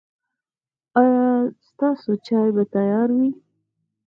ایا ستاسو چای به تیار وي؟